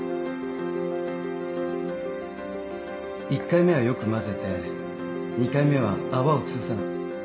１回目はよく混ぜて２回目は泡を潰さない。